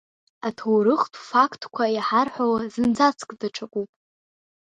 Аҭоурыхтә фактқәа иҳарҳәауа зынӡаск даҽакуп.